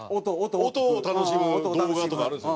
音を楽しむ動画とかあるんですよ。